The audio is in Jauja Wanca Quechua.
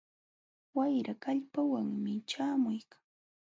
Wayra kallpawanmi ćhaamuykan.